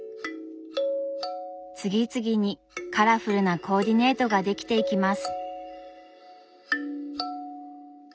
次々にカラフルなコーディネートができていきます。